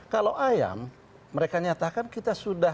kalau ayam mereka nyatakan kita sudah